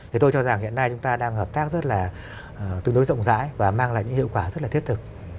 thì tôi cho rằng hiện nay chúng ta đang hợp tác rất là tương đối rộng rãi và mang lại những hiệu quả rất là thiết thực